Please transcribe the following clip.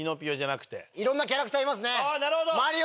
いろんなキャラクターいますね。